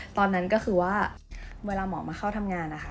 ตอนนั้นก็คือว่าเวลาหมอมาเข้าทำงานนะคะ